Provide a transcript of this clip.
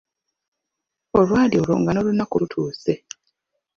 Olwali olwo nga Ng’olunaku lutuuse.